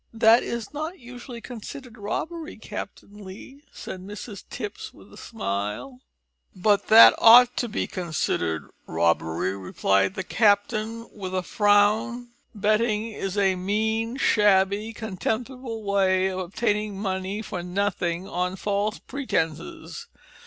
"That is not usually considered robbery, Captain Lee," said Mrs Tipps with a smile. "But that ought to be considered robbery," replied the captain, with a frown. "Betting is a mean, shabby, contemptible way of obtaining money for nothing on false pretences.